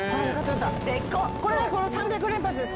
これが３００連発です。